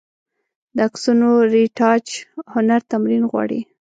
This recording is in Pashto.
د عکسونو رېټاچ هنر تمرین غواړي.